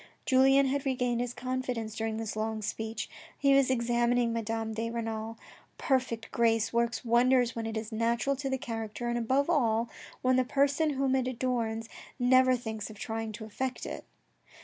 Julien had regained his confidence during this long speech. He was examining Madame de Renal. Perfect grace works wonders when it is natural to the character, and above all, when the person whom it adorns never thinks of trying to affect it.